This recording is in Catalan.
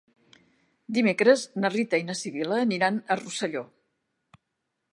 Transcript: Dimecres na Rita i na Sibil·la aniran a Rosselló.